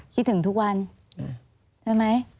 คิดถึงทุกวันใช่ไหม